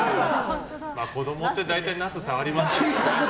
子供って大体ナス触りますよね。